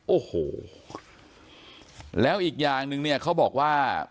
โอ้โหแล้วอีกอย่างหนึ่งเนี่ยเขาบอกว่า